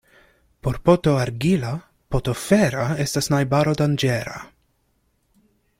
Por poto argila poto fera estas najbaro danĝera.